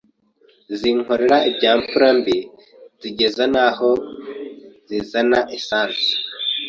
zinkorera ibya mfura mbi zigeza n’aho zizana essence